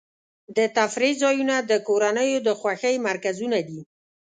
د تفریح ځایونه د کورنیو د خوښۍ مرکزونه دي.